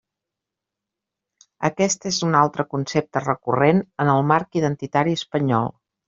Aquest és un altre concepte recurrent en el marc identitari espanyol.